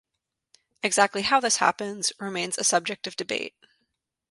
Exactly how this happens remains a subject of debate.